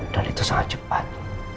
dan itu sangat cepat